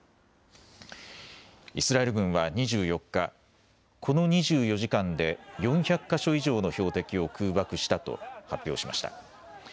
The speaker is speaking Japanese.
イスラエル軍は２４日、この２４時間で４００か所以上の標的を空爆したと発表しました。